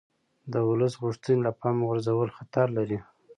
د ولس غوښتنې له پامه غورځول خطر لري